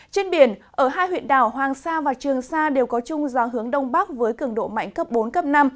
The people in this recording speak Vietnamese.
trên biển ở hai huyện đảo hoàng sa và trường sa đều có chung dòng hướng đông bắc với cường độ mạnh cấp bốn cấp năm